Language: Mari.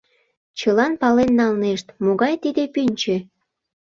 Чылан пален налнешт, могай тиде пӱнчӧ.